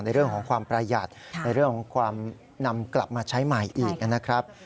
ในเรื่องของความประหยัดในเรื่องของความนำกลับมาใช้ใหม่อีกนะครับ